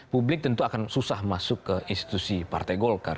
publik tentu akan susah masuk ke institusi partai golkar